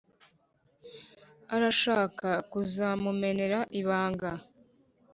arashaka kuzamumenera ibanga.